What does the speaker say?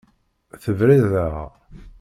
Tebriḍ-aɣ.